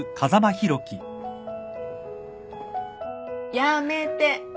やめて！